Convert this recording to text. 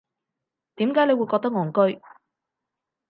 點解你會覺得戇居